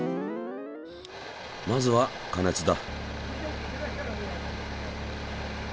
まずは加熱だ。